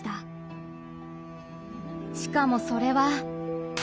しかもそれは。